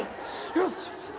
よし！